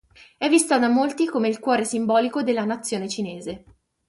È vista da molti come il cuore simbolico della nazione cinese.